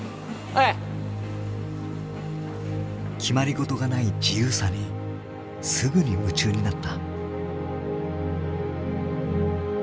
決まり事がない自由さにすぐに夢中になった。